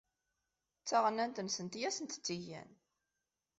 D taɣennant-nsent i asent-tt-igan.